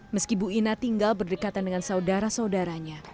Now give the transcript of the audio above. meski bu ina tinggal berdekatan dengan saudara saudaranya